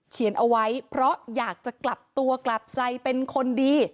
เอาไว้เพราะอยากจะกลับตัวกลับใจเป็นคนดี